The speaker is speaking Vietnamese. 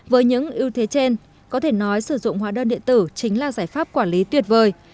với những ưu thế trên có thể nói sử dụng hóa đơn điện tử chính là giải pháp quản lý tuyệt vời